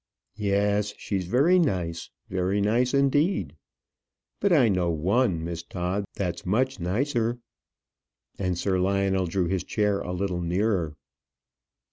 "Yes; she's very nice; very nice indeed. But I know one, Miss Todd, that's much nicer." And Sir Lionel drew his chair a little nearer.